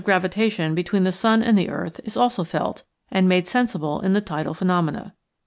27 gravitation between the sun and the earth is also felt and made sensible in the tidal phe nomena.